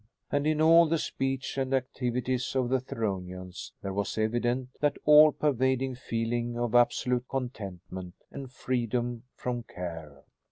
And, in all the speech and activities of the Theronians, there was evident that all pervading feeling of absolute contentment and freedom from care.